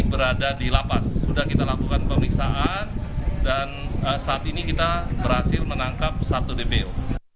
berada di lapas sudah kita lakukan pemeriksaan dan saat ini kita berhasil menangkap satu dpo